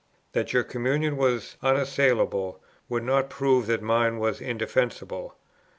That your communion was unassailable, would not prove that mine was indefensible.